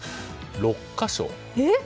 ６か所と。